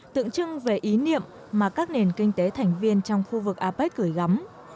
tượng trưng về ý niệm mà các nền kinh tế thành viên trong khu vực apec gửi gắm